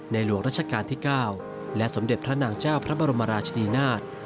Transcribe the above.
หลวงราชการที่๙และสมเด็จพระนางเจ้าพระบรมราชนีนาฏ